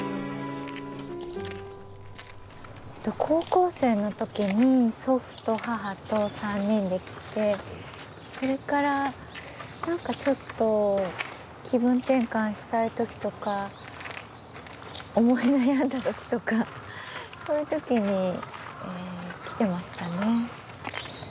高校生の時に祖父と母と３人で来てそれから何かちょっと気分転換したい時とか思い悩んだ時とかそういう時に来てましたね。